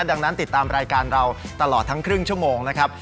ดังนั้นติดตามรายการเราตลอดทั้งครึ่งชั่วโมงนะครับ